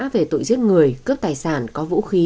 về tội giết người cướp tài sản có vũ khí